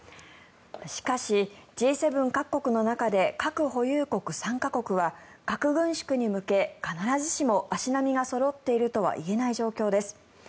しかし、Ｇ７各国の中で核保有国３か国は核軍縮に向け、必ずしも足並みがそろっているとは言えない状況です。